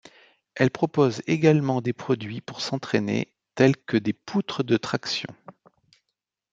Elle propose également des produits pour s'entraîner tel que des poutres de traction.